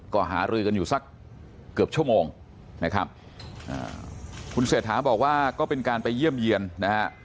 ก็หารือกันอยู่สักเกือบชั่วโมงนะครับคุณเศรษฐาบอกว่าก็เป็นการไปเยี่ยมเยี่ยนนะฮะ